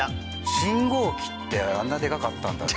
信号機ってあんなでかかったんだって。